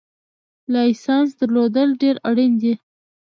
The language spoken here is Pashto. لایسنس درلودل ډېر اړین دي